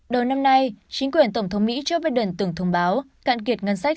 đầu năm nay chính quyền tổng thống mỹ joe biden từng thông báo cạn kiệt ngân sách